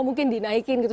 mungkin dinaikin gitu